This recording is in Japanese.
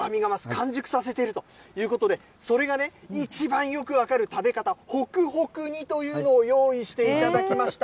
完熟させているということで、それがいちばんよく分かる食べ方、ホクホク煮というのを用意していただきました。